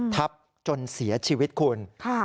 ทับจนเสียชีวิตคุณ